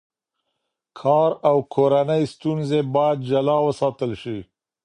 کار او کورنۍ ستونزې باید جلا وساتل شي.